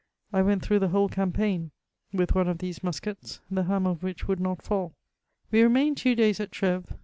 I went through the whole campaign with one of these muskets, the hammer of which would not fall. We remained two days at Treves.